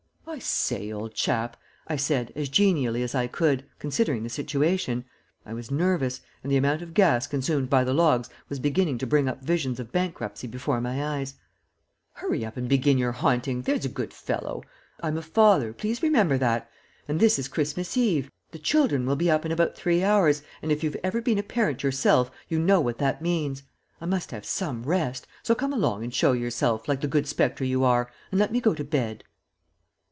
"I say, old chap," I said, as genially as I could, considering the situation I was nervous, and the amount of gas consumed by the logs was beginning to bring up visions of bankruptcy before my eyes "hurry up and begin your haunting there's a good fellow. I'm a father please remember that and this is Christmas Eve. The children will be up in about three hours, and if you've ever been a parent yourself you know what that means. I must have some rest, so come along and show yourself, like the good spectre you are, and let me go to bed."